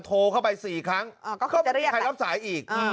โทรเข้าไป๔ครั้งก็ไม่มีใครรับสายอีก